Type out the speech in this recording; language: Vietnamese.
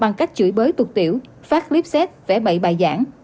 bằng cách chửi bới tuột tiểu phát clipset vẽ bậy bài giảng